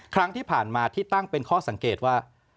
ครั้งที่ผ่านมาที่ตั้งเป็นข้อสังเกตว่า